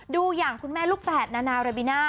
ดูอย่างคุณแม่ลูกแฝดนานาเรบิน่า